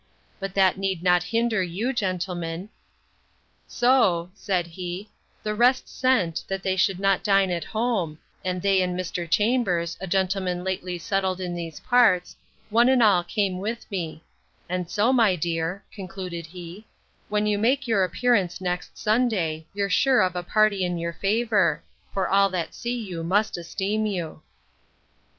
But that need not hinder you, gentlemen. So, said he, the rest sent, that they should not dine at home; and they and Mr. Chambers, a gentleman lately settled in these parts, one and all came with me: And so, my dear, concluded he, when you make your appearance next Sunday, you're sure of a party in your favour; for all that see you must esteem you.